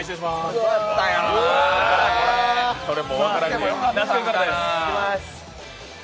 それも分からんで。